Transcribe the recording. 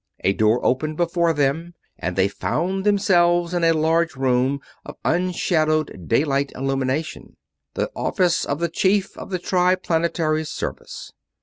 A door opened before them and they found themselves in a large room of unshadowed daylight illumination; the office of the Chief of the Triplanetary Service.